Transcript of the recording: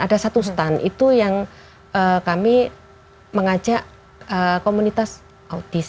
ada satu stand itu yang kami mengajak komunitas autis